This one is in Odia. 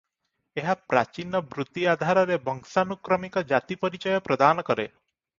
ଏହା ପ୍ରାଚୀନ ବୃତ୍ତି ଆଧାରରେ ବଂଶାନୁକ୍ରମିକ ଜାତି-ପରିଚୟ ପ୍ରଦାନ କରେ ।